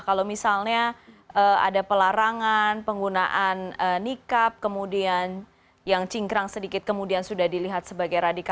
kalau misalnya ada pelarangan penggunaan nikab kemudian yang cingkrang sedikit kemudian sudah dilihat sebagai radikal